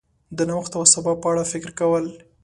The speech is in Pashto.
د نوښت او سبا په اړه فکر کول